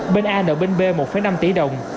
bên a nợ bên b một năm tỷ đồng